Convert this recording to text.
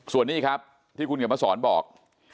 ส่วนนี้ครับที่คุณเขียนมาสอนบอก